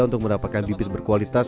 untuk mendapatkan bibit berkualitas